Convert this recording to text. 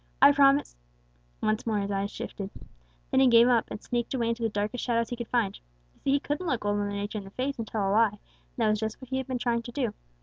'I promise ' Once more his eyes shifted. Then he gave up and sneaked away into the darkest shadows he could find. You see, he couldn't look Old Mother Nature in the face and tell a lie, and that was just what he had been trying to do.